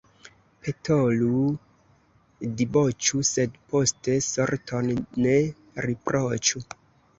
Petolu, diboĉu, sed poste sorton ne riproĉu.